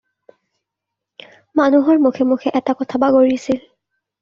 মানুহৰ মুখে মুখে এটা কথা বাগৰিছিল।